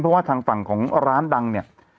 เพราะว่าทางฝั่งของร้านดังเนี่ย